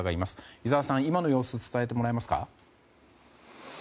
井澤さん、今の様子伝えてもらえますか。